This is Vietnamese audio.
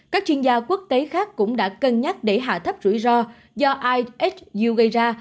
các chuyên gia quốc tế khác cũng đã cân nhắc để hạ thấp rủi ro do ihu gây ra